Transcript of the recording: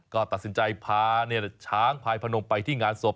ก็ตัดสินใจพาช้างพายพนมไปที่งานศพ